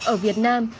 ở việt nam